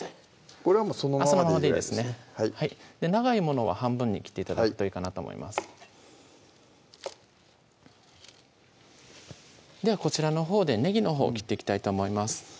これはもうそのままでそのままでいいですね長いものは半分に切って頂くといいかなと思いますではこちらのほうでねぎのほう切っていきたいと思います